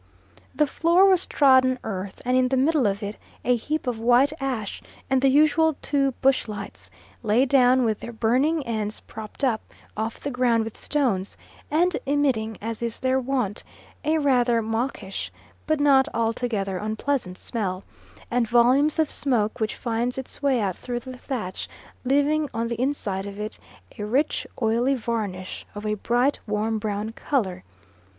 The floor was trodden earth and in the middle of it a heap of white ash and the usual two bush lights, laid down with their burning ends propped up off the ground with stones, and emitting, as is their wont, a rather mawkish, but not altogether unpleasant smell, and volumes of smoke which finds its way out through the thatch, leaving on the inside of it a rich oily varnish of a bright warm brown colour.